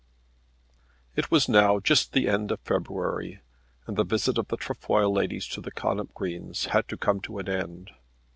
It was now just the end of February, and the visit of the Trefoil ladies to the Connop Greens had to come to an end.